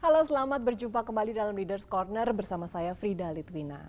halo selamat berjumpa kembali dalam ⁇ leaders ⁇ corner bersama saya frida litwina